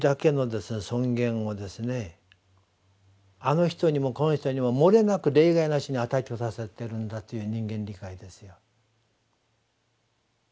あの人にもこの人にももれなく例外なしに与えて下さってるんだという人間理解ですよ。